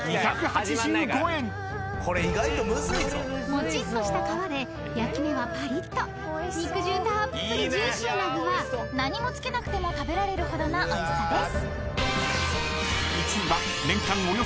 ［もちっとした皮で焼き目はパリッと肉汁たっぷりジューシーな具は何もつけなくても食べられるほどのおいしさです］